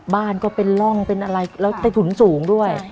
บ้านก็เป็นร่องเป็นอะไรแล้วใต้ถุนสูงด้วย